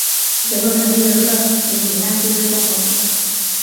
随后成立了克里米亚自治共和国。